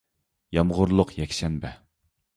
يامغۇرلۇق يەكشەنبە